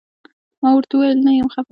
ما وويل نه يم خپه.